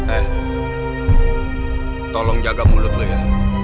eh tolong jaga mulut lah ya